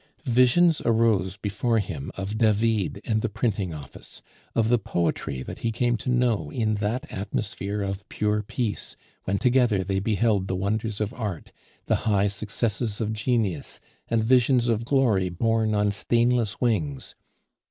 Visions arose before him of David and the printing office, of the poetry that he came to know in that atmosphere of pure peace, when together they beheld the wonders of Art, the high successes of genius, and visions of glory borne on stainless wings.